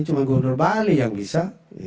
cuma gubernur bali yang bisa